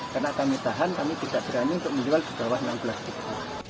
karena kami tahan kami tidak berani untuk menjual ke bawah enam belas pintal